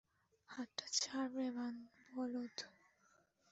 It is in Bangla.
হাতটা ছাড় রে, বলদ।